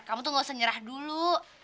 kamu tuh gak usah nyerah dulu